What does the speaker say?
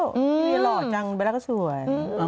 พี่เบียร์หล่อจังแบลล่าก็สวย